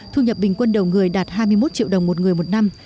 thu nhập bình quân đầu người đạt hai mươi một triệu đồng một người một năm